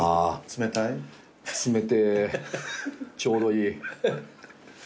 冷てぇちょうどいい。